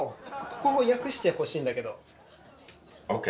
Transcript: ここを訳してほしいんだけど。